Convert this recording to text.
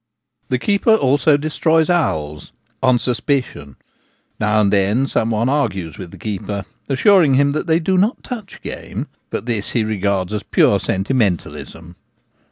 The keeper also destroys owls — on suspicion. Now and then some one argues with the keeper, assuring him that they do not touch game, but this he regards as pure sentimentalism.